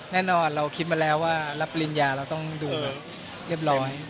แน่นอนเราคิดมาแล้วว่ารับปริญญาเราต้องดูเรียบร้อย